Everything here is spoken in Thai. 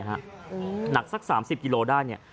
หนักสัก๓๐กิโลกรัมได้